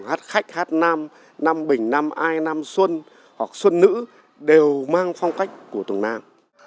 hát khách hát nam nam bình nam ai nam xuân hoặc xuân nữ đều mang phong cách của tuồng nam